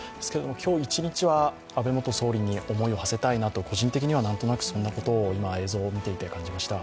今日一日は安倍元総理に思いをはせたいなと、個人的には何となくそんなことを今、映像を見ていて感じました。